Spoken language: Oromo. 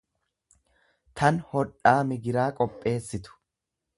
tan hodhaa migiraa qopheessitu.